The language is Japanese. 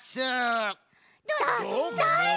だだれ？